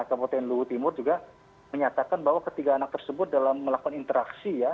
kemudian lutimur juga menyatakan bahwa ketiga anak tersebut dalam melakukan interaksi ya